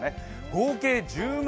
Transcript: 合計１０万